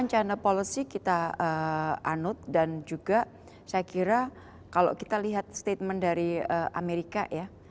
china policy kita anut dan juga saya kira kalau kita lihat statement dari amerika ya